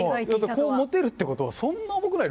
こう持てるってことはそんな重くない。